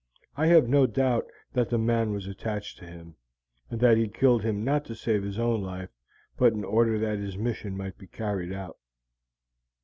I have no doubt that the man was attached to him, and that he killed him not to save his own life, but in order that his mission might be carried out."